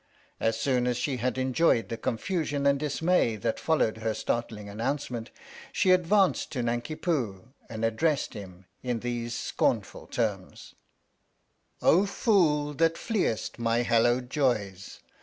As soon as she had enjoyed the confusion and dismay that followed her startling announcement, she advanced to Nanki Poo and addressed him in these scornful terms : Oh fool, that fleest My hallowed joys